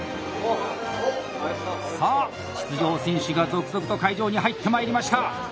さあ出場選手が続々と会場に入ってまいりました！